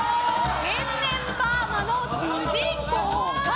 天然パーマの主人公が。